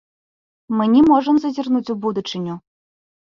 Мы не можам зазірнуць у будучыню.